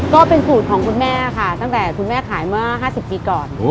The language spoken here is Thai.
ก็เป็นสูตรของคุณแม่ค่ะตั้งแต่คุณแม่ขายเมื่อ๕๐ปีก่อน